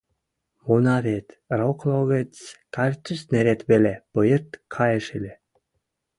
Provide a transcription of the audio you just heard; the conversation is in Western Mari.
Мона вет: рок логӹц картуз нерет веле пыйырт каеш ыльы...